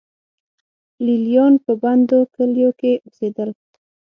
لې لیان په بندو کلیو کې اوسېدل.